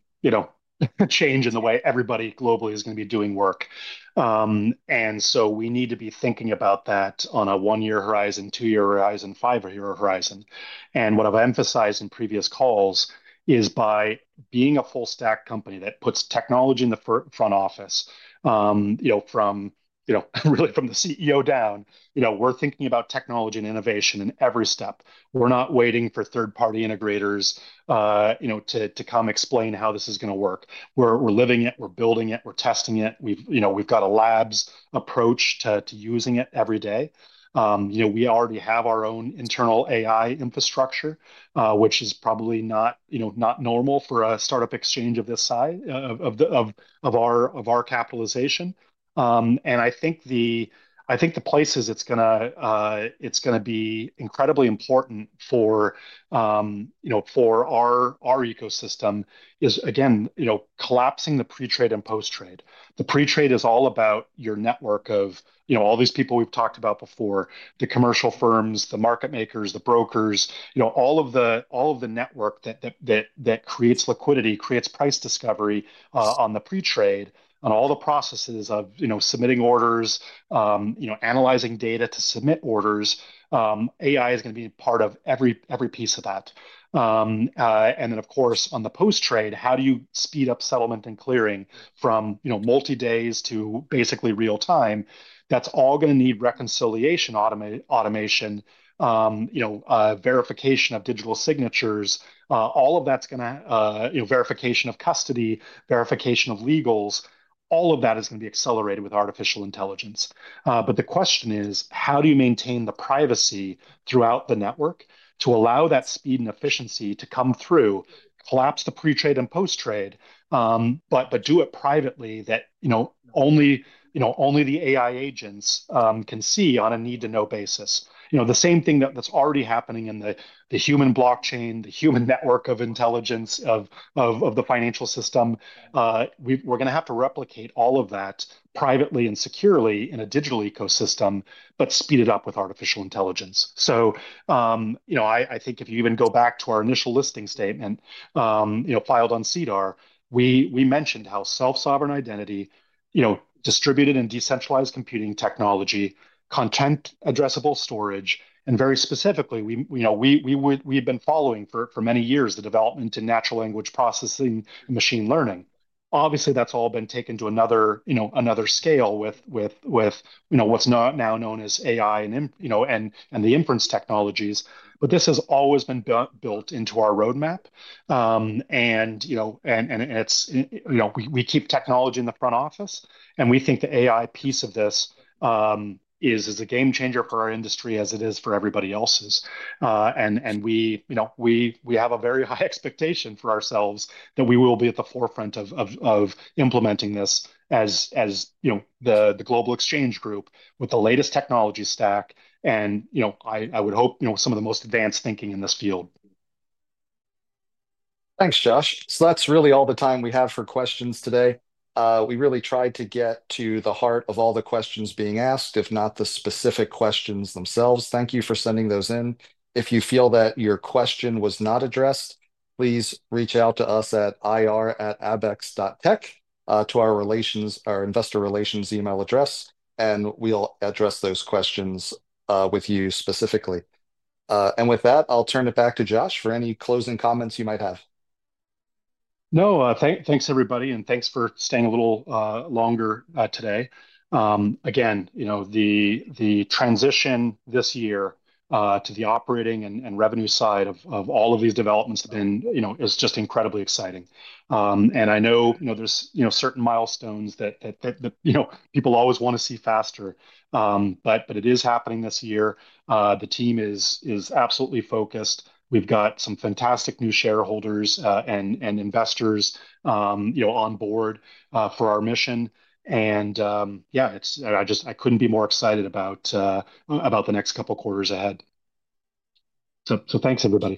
change in the way everybody globally is going to be doing work. We need to be thinking about that on a one-year horizon, two-year horizon, five-year horizon. What I've emphasized in previous calls is by being a full-stack company that puts technology in the front office from really from the CEO down, we're thinking about technology and innovation in every step. We're not waiting for third-party integrators to come explain how this is going to work. We're living it. We're building it. We're testing it. We've got a labs approach to using it every day. We already have our own internal AI infrastructure, which is probably not normal for a startup exchange of this size of our capitalization. I think the places it's going to be incredibly important for our ecosystem is, again, collapsing the pre-trade and post-trade. The pre-trade is all about your network of all these people we've talked about before, the commercial firms, the market makers, the brokers, all of the network that creates liquidity, creates price discovery on the pre-trade, on all the processes of submitting orders, analyzing data to submit orders. AI is going to be part of every piece of that. Of course, on the post-trade, how do you speed up settlement and clearing from multi-days to basically real-time? That's all going to need reconciliation automation, verification of digital signatures. All of that's going to verification of custody, verification of legals. All of that is going to be accelerated with artificial intelligence. The question is, how do you maintain the privacy throughout the network to allow that speed and efficiency to come through, collapse the pre-trade and post-trade, but do it privately that only the AI agents can see on a need-to-know basis? The same thing that's already happening in the human blockchain, the human network of intelligence of the financial system. We're going to have to replicate all of that privately and securely in a digital ecosystem, but speed it up with artificial intelligence. I think if you even go back to our initial listing statement filed on SEDAR, we mentioned how self-sovereign identity, distributed and decentralized computing technology, content-addressable storage, and very specifically, we've been following for many years the development to natural language processing and machine learning. Obviously, that's all been taken to another scale with what's now known as AI and the inference technologies. This has always been built into our roadmap. We keep technology in the front office. We think the AI piece of this is a game changer for our industry as it is for everybody else's. We have a very high expectation for ourselves that we will be at the forefront of implementing this as the global exchange group with the latest technology stack. I would hope some of the most advanced thinking in this field. Thanks, Josh. That is really all the time we have for questions today. We really tried to get to the heart of all the questions being asked, if not the specific questions themselves. Thank you for sending those in. If you feel that your question was not addressed, please reach out to us at ir@abaxx.tech to our investor relations email address. We will address those questions with you specifically. With that, I'll turn it back to Josh for any closing comments you might have. No, thanks, everybody. Thanks for staying a little longer today. Again, the transition this year to the operating and revenue side of all of these developments has been just incredibly exciting. I know there are certain milestones that people always want to see faster. It is happening this year. The team is absolutely focused. We've got some fantastic new shareholders and investors on board for our mission. I could not be more excited about the next couple of quarters ahead. Thanks, everybody.